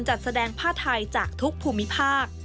จัดแสดงผ้าไทยจากทุกภูมิภาค